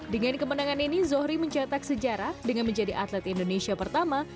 dengan kemenangan ini zohri mencetak sejarah dengan menjadi atlet indonesia pertama